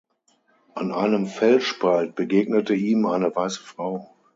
An einem Felsspalt begegnete ihm eine weiße Frau.